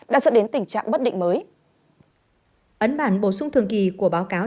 đã dẫn đến tình trạng bất định mới ấn bản bổ sung thường kỳ của báo cáo